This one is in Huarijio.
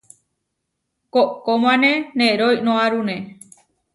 Koʼkómane neroínoarune.